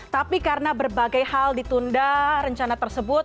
tapi karena berbagai hal ditunda rencana tersebut